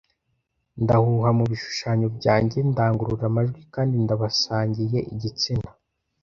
Ndahuha mubishushanyo byanjye ndangurura amajwi kandi ndabasangiye igitsina.